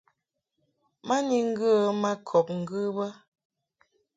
Ma ni ŋgə ma kɔb ŋgɨ bə.